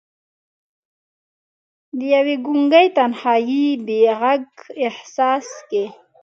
د یوې ګونګې تنهايۍ بې ږغ احساس کې